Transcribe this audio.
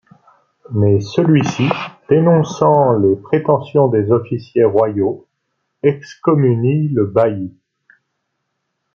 Mais celui-ci, dénonçant les prétentions des officiers royaux, excommunie le bailli.